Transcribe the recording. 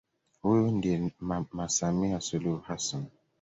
Huyu ndiye mama Samia Suluhu Hassan